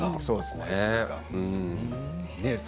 そうですね。